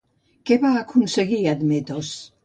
Què va aconseguir Admetos?